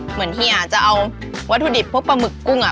เฮียจะเอาวัตถุดิบพวกปลาหมึกกุ้ง